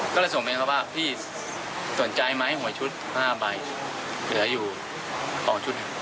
ก็เลยส่งไปเขาบอกพี่สนใจไหม๕ใบคนไทยอยู่๒ชุด